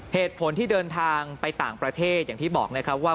เหตุผลที่เดินทางไปต่างประเทศอย่างที่บอกนะครับว่า